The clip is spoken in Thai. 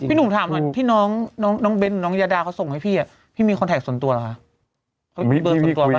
หนุ่มถามหน่อยที่น้องน้องเบ้นน้องยาดาเขาส่งให้พี่อ่ะพี่พี่มีคอนแท็กส่วนตัวเหรอคะ